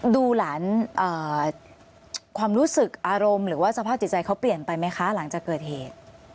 ดูหลานความรู้สึกอารมณ์หรือว่าสภาพจิตใจเขาเปลี่ยนไปไหมคะหลังจากเกิดเหตุ